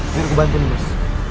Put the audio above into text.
biar ku bantu nih mas